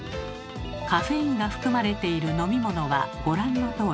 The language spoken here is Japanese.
カフェインが含まれている飲み物はご覧のとおり。